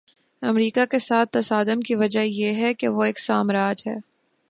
امریکہ کے ساتھ تصادم کی وجہ یہ ہے کہ وہ ایک سامراج ہے۔